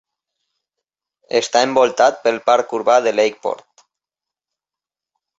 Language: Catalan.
Està envoltat pel parc urbà de Lakeport.